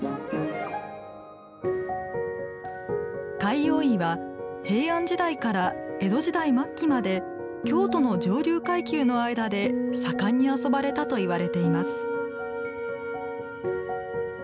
貝覆いは平安時代から江戸時代末期まで京都の上流階級の間で盛んに遊ばれたといわれています。